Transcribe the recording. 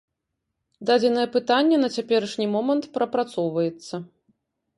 Дадзенае пытанне на цяперашні момант прапрацоўваецца.